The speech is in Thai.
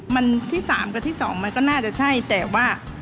มันที่๓กับที่๒มันก็น่าจะใช่แต่ว่า